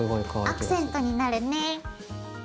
アクセントになるね。